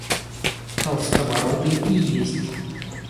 Толстобородый и есть.